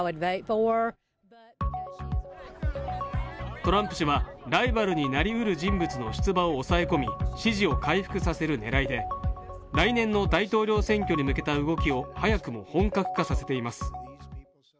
トランプ氏は、ライバルになりうる人物の出馬を抑え込み支持を回復させる狙いで、来年の大統領選挙に向けた動きを早くも本格化させています。